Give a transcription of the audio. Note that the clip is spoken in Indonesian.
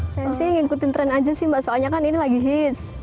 saya sih ngikutin tren aja sih mbak soalnya kan ini lagi hits